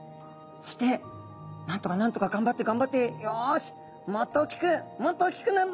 そしてなんとかなんとか頑張って頑張ってよしもっと大きくもっと大きくなるぞ。